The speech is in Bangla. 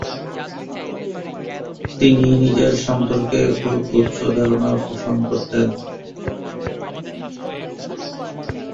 তিনি নিজের সম্পর্কে খুব উচ্চ ধারণা পোষণ করতেন।